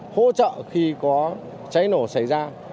hỗ trợ khi có cháy nổ xảy ra